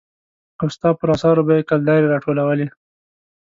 او ستا پر اثارو به يې کلدارې را ټولولې.